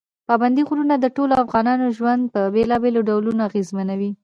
پابندي غرونه د ټولو افغانانو ژوند په بېلابېلو ډولونو اغېزمنوي.